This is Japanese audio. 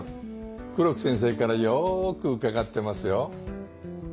黒木先生からよく伺ってますよ。